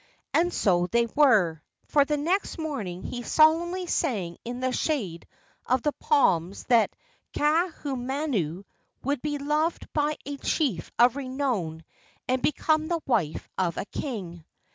And so they were, for the next morning he solemnly sang in the shade of the palms that Kaahumanu would be loved by a chief of renown and become the wife of a king.